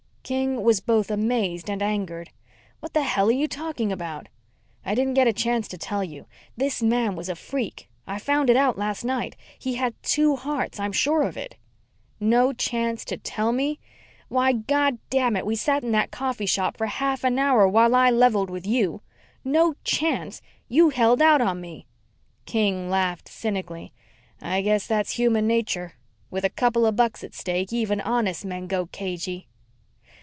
King was both amazed and angered. "What the hell are you talking about?" "I didn't get a chance to tell you. This man was a freak. I found it out last night. He had two hearts. I'm sure of it." "No chance to tell me? Why, goddamn it, we sat in that coffee shop for half an hour while I leveled with you. No chance! You held out on me." King laughed cynically. "I guess that's human nature. With a couple of bucks at stake even honest men go cagey."